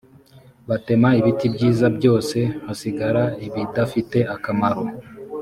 batema ibiti byiza byose hasigara ibidafite akamaro